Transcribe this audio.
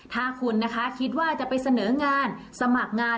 ถ้าคุณนะคะคิดว่าจะไปเสนองานสมัครงาน